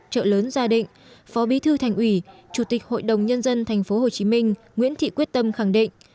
trợ lớn gia định phó bí thư thành ủy chủ tịch hội đồng nhân dân tp hcm nguyễn thị quyết tâm khẳng định